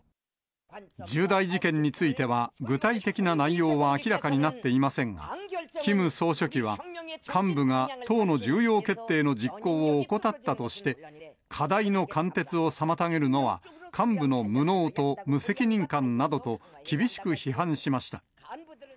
重大事件については、具体的な内容は明らかになっていませんが、キム総書記は、幹部が党の重要決定の実行を怠ったとして、課題の貫徹を妨げるのは、幹部の無能と無責任感などと、厳しく批判しました。